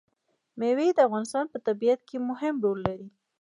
مېوې د افغانستان په طبیعت کې مهم رول لري.